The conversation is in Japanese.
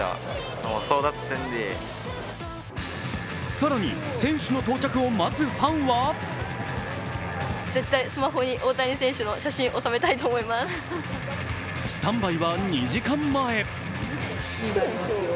更に選手の到着を待つファンはスタンバイは２時間前。